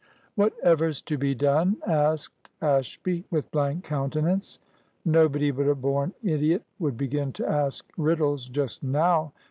"Whatever's to be done?" asked Ashby, with blank countenance. "Nobody but a born idiot would begin to ask riddles just now!"